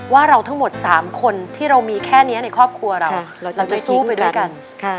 ว่าเราทั้งหมด๓คนที่เรามีแค่นี้ในครอบครัวเราเราจะสู้ไปด้วยกัน